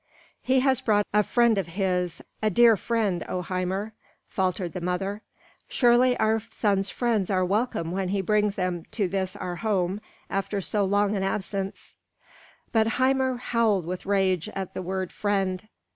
"He has brought a friend of his, a dear friend, O Hymir!" faltered the mother. "Surely, our son's friends are welcome when he brings them to this our home, after so long an absence." But Hymir howled with rage at the word "friend."